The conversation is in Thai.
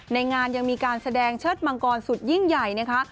ในงานยังมีการแสดงเชิดมังกรสุดยิ่งใหญ่นะคะ